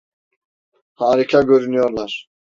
Harika görünüyorlar.